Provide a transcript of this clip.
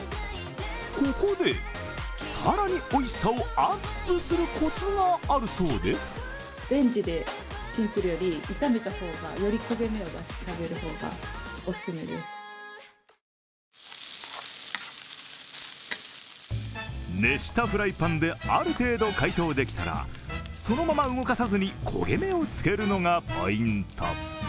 ここで、更においしさをアップするコツがあるそうで熱したフライパンである程度解凍できたらそのまま動かさずに焦げ目をつけるのがポイント。